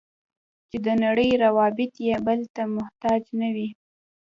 چې د نړۍ روابط یې بل ته محتاج نه وي.